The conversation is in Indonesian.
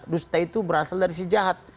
dusta itu berasal dari si jahat